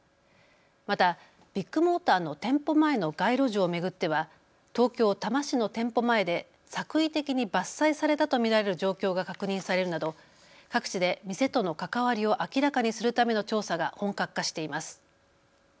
また、ビッグモーターの店舗前の街路樹を巡っては東京多摩市の店舗前で作為的に伐採されたと見られる状況が確認されるなど各地で店との関わりを明らかにするための調査が本格化しています。